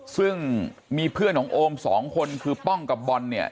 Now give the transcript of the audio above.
ซึ่งมีเพื่อนของโอมสองคนคือป้องกับบอลเนี่ย